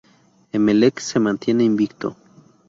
Emelec se mantiene invicto.